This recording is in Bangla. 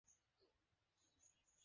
আমরা নিলাম শুরু করতে যাচ্ছি।